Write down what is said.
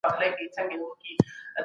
هغه څه ورکوم چي زما په واک کي دي.